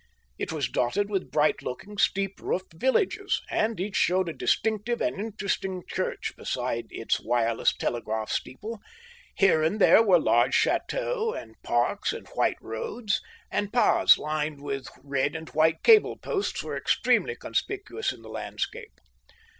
It was dotted with bright looking, steep roofed, villages, and each showed a distinctive and interesting church beside its wireless telegraph steeple; here and there were large chateaux and parks and white roads, and paths lined with red and white cable posts were extremely conspicuous in the landscape.